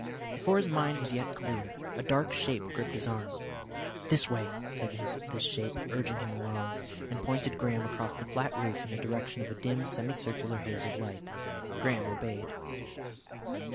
Before his mind was yet clear a dark shape gripped his arm. "This way," said this shape, urging him along, and pointed Graham across the flat roof in the direction of a dim semicircular haze of light. Graham obeyed.